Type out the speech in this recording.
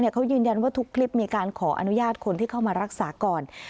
เขายืนยันว่าทุกคลิปมีการขออนุญาตคนที่เข้ามารักษาก่อน